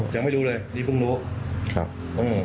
ยังไม่รู้เลยนี่พึ่งรู้